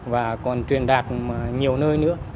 và còn truyền đạt nhiều nơi nữa